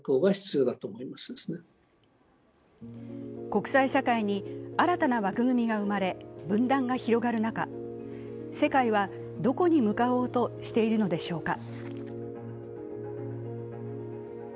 国際社会に新たな枠組みが生まれ分断が広がる中、世界はどこに向かおうとしているのでしょうか？